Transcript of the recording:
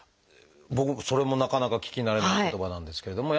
僕それもなかなか聞き慣れない言葉なんですけれども。